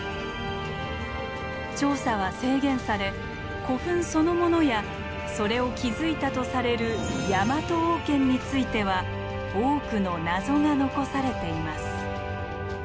調査は制限され古墳そのものやそれを築いたとされるヤマト王権については多くの謎が残されています。